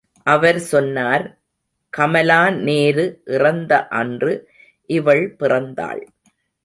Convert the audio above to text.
அவர் சொன்னார், கமலாநேரு இறந்த அன்று இவள் பிறந்தாள்.